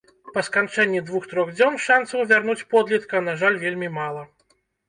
Па сканчэнні двух-трох дзён шанцаў вярнуць подлетка, на жаль, вельмі мала.